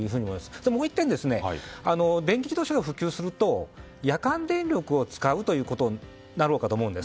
もう１点、電気自動車が普及すると夜間電力を使うことになると思います。